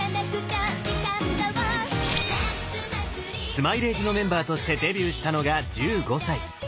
スマイレージのメンバーとしてデビューしたのが１５歳。